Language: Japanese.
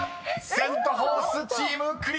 ［セント・フォースチームクリアできず！］